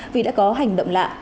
vì đã có hành động lạ